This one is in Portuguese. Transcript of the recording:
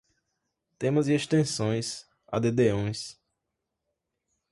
temas e extensões, add-ons